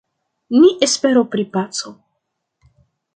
Ni esperu pri paco.